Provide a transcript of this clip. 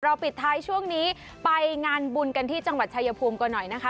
ปิดท้ายช่วงนี้ไปงานบุญกันที่จังหวัดชายภูมิก่อนหน่อยนะคะ